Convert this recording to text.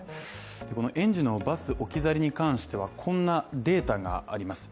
この園児のバス置き去りに関してはこんなデータがあります。